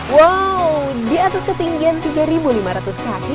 wow di atas ketinggian tiga lima ratus kaki